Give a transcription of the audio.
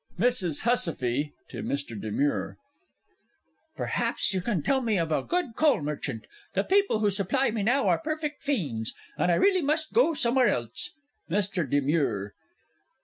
MRS. HUSSIFFE (to MR. DE MURE). Perhaps you can tell me of a good coal merchant? The people who supply me now are perfect fiends, and I really must go somewhere else. MR. DE MURE.